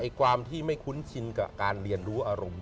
ความที่ไม่คุ้นชินกับการเรียนรู้อารมณ์